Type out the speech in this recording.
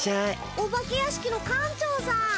お化け屋敷の館長さん！